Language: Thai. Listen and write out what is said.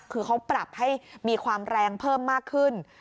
คือเขาปรับให้มีความแรงเพิ่มมากขึ้น